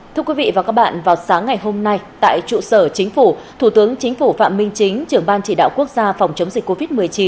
thưa quý vị và các bạn vào sáng ngày hôm nay tại trụ sở chính phủ thủ tướng chính phủ phạm minh chính trưởng ban chỉ đạo quốc gia phòng chống dịch covid một mươi chín